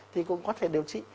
thì cũng có thể điều trị